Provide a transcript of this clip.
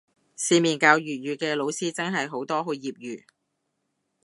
市面教粵語嘅老師真係好多好業餘